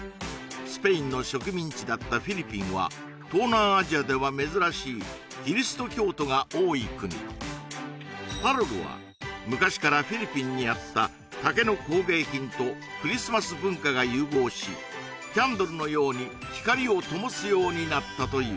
スペインの植民地だったフィリピンは東南アジアでは珍しいキリスト教徒が多い国パロルは昔からフィリピンにあった竹の工芸品とクリスマス文化が融合しキャンドルのように光をともすようになったという